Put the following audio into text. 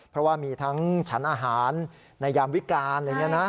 เพราะว่ามีทั้งฉันอาหารในยามวิการอะไรอย่างนี้นะ